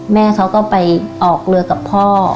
แม่เขาก็ไปออกเรือกับพ่อ